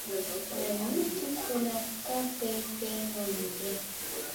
Nan min tiʼi funna kaʼa kaŋ gèh mamigèh?